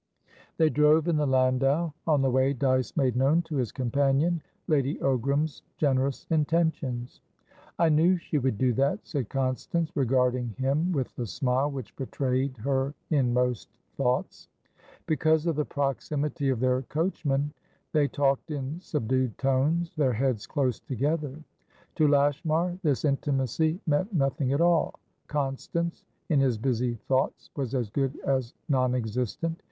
They drove in the landau. On the way, Dyce made known to his companion Lady Ogram's generous intentions. "I knew she would do that," said Constance, regarding him with the smile which betrayed her inmost thoughts. Because of the proximity of their coachman, they talked in subdued tones, their heads close together. To Lashmar this intimacy meant nothing at all; Constance, in his busy thoughts, was as good as non existent.